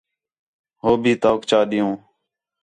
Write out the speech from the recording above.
ہو بھی تؤک چا ݙیؤں